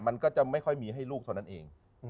มันก็จะไม่ค่อยมีให้ลูกเท่านั้นเอง